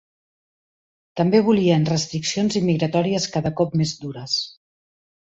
També volien restriccions immigratòries cada cop més dures.